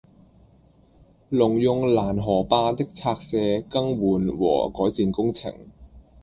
農用攔河壩的拆卸、更換和改善工程